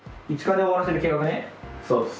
そうっす。